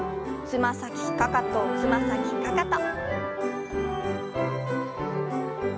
つま先かかとつま先かかと。